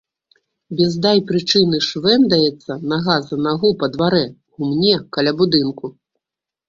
Без дай прычыны швэндаецца нага за нагу па дварэ, гумне, каля будынку.